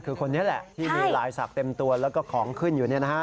คือคนนี้แหละที่มีรายสักเต็มตัวแล้วก็ของขึ้นอยู่นี่นะฮะ